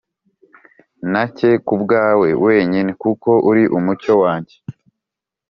Nake kubwawe wenyine kuko uri umucyo wanjye